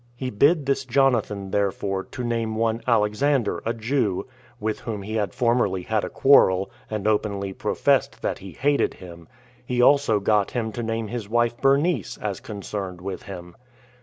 He bid this Jonathan, therefore, to name one Alexander, a Jew [with whom he had formerly had a quarrel, and openly professed that he hated him]; he also got him to name his wife Bernice, as concerned with him.